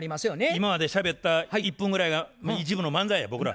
今までしゃべった１分ぐらいが１部の漫才や僕ら。